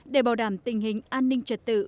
để bảo đảm tình hình an ninh trật tự